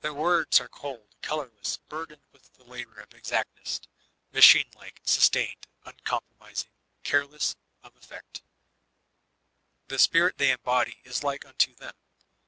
Their words are cold, colorless, burdened with the labor of exactness, madiine like, sustained, uncompromising, careless of ef feet The spirit they embody is like unto them.